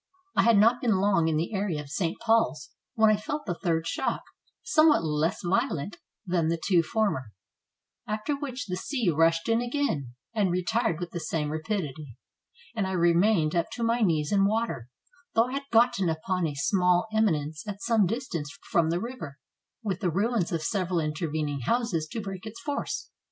I had not been long in the area of St. Paul's when I felt the third shock, somewhat less violent than the 623 PORTUGAL two former, after which the sea rushed in again, and retired with the same rapidity, and I remained up to my knees in water, though I had gotten upon a small emi nence at some distance from the river, with the ruins of several intervening houses to break its force.